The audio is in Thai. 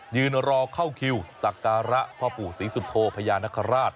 ยืนรอเข้าคิวสักการะพ่อปู่ศรีสุโธพญานคราช